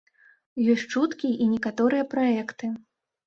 Ёсць чуткі і некаторыя праекты.